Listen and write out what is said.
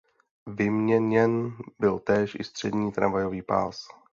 Vyměněn byl též i střední tramvajový pás.